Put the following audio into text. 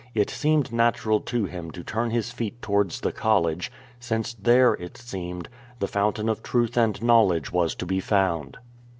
It seemed natural to him to turn his feet towards the College, since there, it seemed, the fountain of truth and knowledge was to be found.